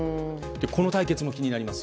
この対決も気になります。